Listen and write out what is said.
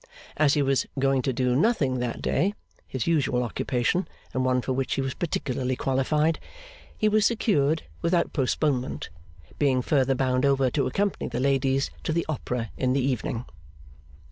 As he was going to do nothing that day (his usual occupation, and one for which he was particularly qualified), he was secured without postponement; being further bound over to accompany the ladies to the Opera in the evening.